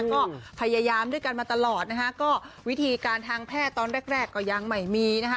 ก็พยายามด้วยกันมาตลอดนะคะก็วิธีการทางแพทย์ตอนแรกแรกก็ยังไม่มีนะคะ